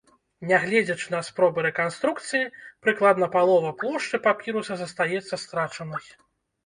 Нягледзячы на спробы рэканструкцыі, прыкладна палова плошчы папіруса застаецца страчанай.